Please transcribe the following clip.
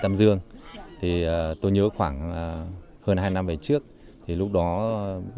chúng tôi bị hỏng bởi truyện nam v siempre dừng lại